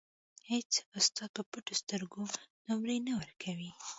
اېڅ استاد په پټو سترګو نومرې نه ورکوي.